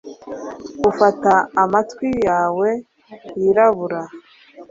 ufata amatwi yawe yirabura